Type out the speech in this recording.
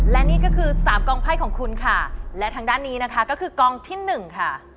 และนี่ก็คือสามกองไพ่ของคุณค่ะและทางด้านนี้นะคะก็คือกองที่หนึ่งค่ะ